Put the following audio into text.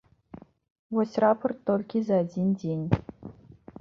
Вось рапарт толькі за адзін дзень.